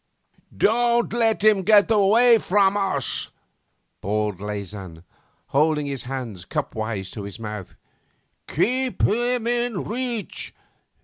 'Don't let him get away from us,' bawled Leysin, holding his hands cup wise to his mouth. 'Keep him in reach.